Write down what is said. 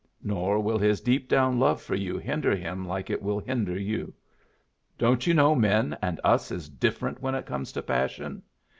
Nor will his deep down love for you hinder him like it will hinder you. Don't you know men and us is different when it comes to passion?